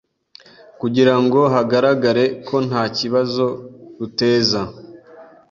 kugira ngo hagaragare ko nta kibazo ruteza